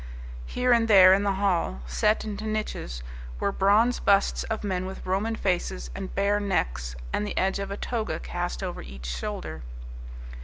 Here and there in the hall, set into niches, were bronze busts of men with Roman faces and bare necks, and the edge of a toga cast over each shoulder.